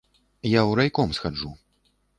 Я ў райком схаджу.